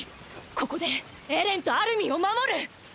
ここでエレンとアルミンを守る。